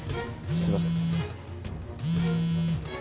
すいません。